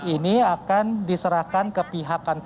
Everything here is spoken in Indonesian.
ini akan diserahkan ke pihak kantor